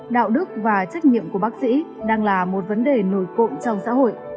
đạo đức và trách nhiệm của bác sĩ đang là một vấn đề nổi cộng trong xã hội